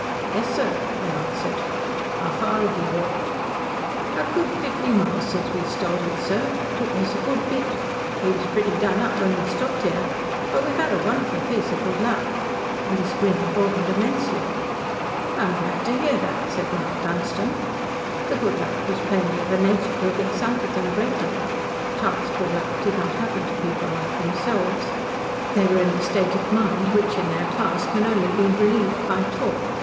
"Yes, sir," he answered. "How far have you walked?" "A good fifty miles since we started, sir. It took us a good bit. We was pretty done up when we stopped here. But we've 'ad a wonderful piece of good luck." And his grin broadened immensely. "I am glad to hear that," said Mount Dunstan. The good luck was plainly of a nature to have excited them greatly. Chance good luck did not happen to people like themselves. They were in the state of mind which in their class can only be relieved by talk.